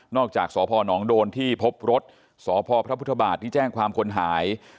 นอกจากสพหนองโดนที่พบรถสพพฤบาทที่แจ้งความคนหาย